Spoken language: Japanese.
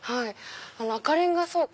赤レンガ倉庫